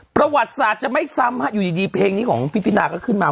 ประวัติศาสตร์จะไม่ซ้ำอยู่ดีเพลงนี้ของพี่ตินาก็ขึ้นมา